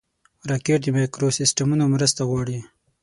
راکټ د مایکروسیسټمونو مرسته غواړي